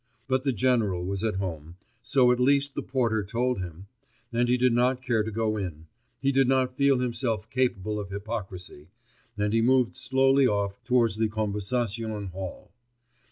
But the general was at home, so at least the porter told him, and he did not care to go in, he did not feel himself capable of hypocrisy, and he moved slowly off towards the Konversation Hall.